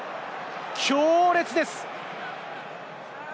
強烈です。